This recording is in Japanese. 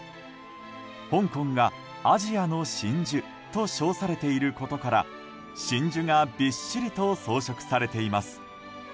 香港がアジアの真珠と称されていることから真珠がびっしりと装飾されています。